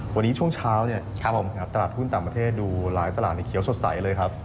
วันนี้ช่วงเช้าเนี่ยตลาดหุ้นต่างประเทศดูหลายตลาดในเขียวสดใสเลยครับ